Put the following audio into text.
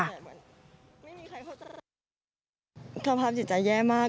ไม่มีใครเข้าใจความภาพจิตใจแย่มาก